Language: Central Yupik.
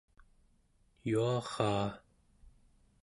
yuaraa